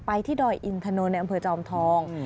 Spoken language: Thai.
ไปที่ดอยอินทร์ถนนอำเภอจอมทอง